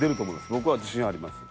僕は自信あります。